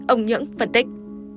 ông nhưỡng phân tích